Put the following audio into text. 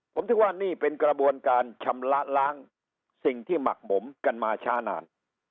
ผมคิดว่านี่เป็นกระบวนการชำระล้างสิ่งที่หมักหมมกันมาช้านาน